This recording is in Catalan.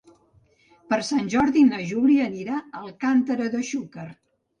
Per Sant Jordi na Júlia anirà a Alcàntera de Xúquer.